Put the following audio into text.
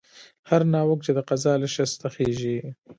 هر ناوک چې د قضا له شسته خېژي.